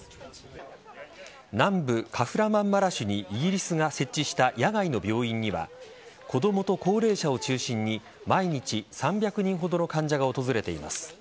南部・カフラマンマラシュにイギリスが設置した野外の病院には子供と高齢者を中心に毎日３００人ほどの患者が訪れています。